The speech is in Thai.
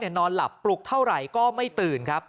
นอนหลับปลุกเท่าไหร่ก็ไม่ตื่นครับ